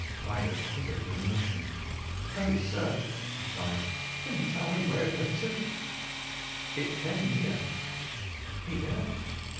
Ryder quivered with emotion. "Oh, sir," he cried, "can you tell me where it went to?" "It came here." "Here?"